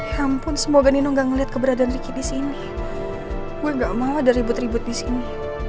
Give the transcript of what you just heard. ya ampun semoga nino gak ngeliat keberadaan ricky disini gue gak mau ada ribut ribut disini